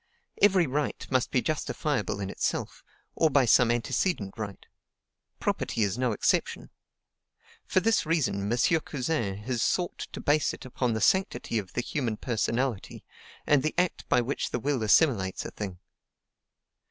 Every right must be justifiable in itself, or by some antecedent right; property is no exception. For this reason, M. Cousin has sought to base it upon the SANCTITY of the human personality, and the act by which the will assimilates a thing.